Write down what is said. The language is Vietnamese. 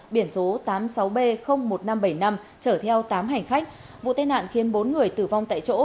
biển số tám mươi sáu b một nghìn năm trăm bảy mươi năm chở theo tám hành khách vụ tai nạn khiến bốn người tử vong tại chỗ